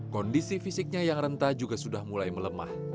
kondisi fisiknya yang rentah juga sudah mulai melemah